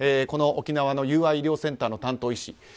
沖縄の友愛医療センターの担当医師。